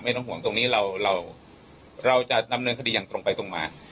ต้องห่วงตรงนี้เราเราจะดำเนินคดีอย่างตรงไปตรงมา